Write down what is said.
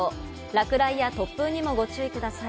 落雷や突風にもご注意ください。